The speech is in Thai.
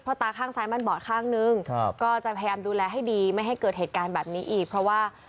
ตาข้างซ้ายมันบอดข้างนึงก็จะพยายามดูแลให้ดีไม่ให้เกิดเหตุการณ์แบบนี้อีกเพราะว่า